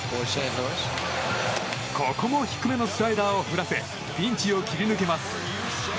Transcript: ここも低めのスライダーを振らせピンチを切り抜けます。